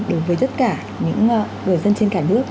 đối với tất cả những người dân trên cả nước